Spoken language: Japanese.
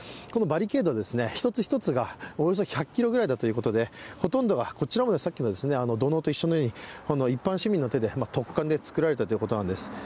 このバリケード、１つ１つがおよそ１００ｋｇぐらいだということでほとんどが、土のうと同じように一般市民の手で突貫で作られたということなんです。